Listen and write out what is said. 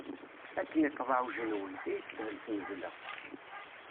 Akken iqḍeɛ ujenwi, ay teshel tmezla.